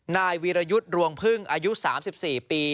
นายวีรยุทธ์รวงพึ่งอายุ๓๔ปี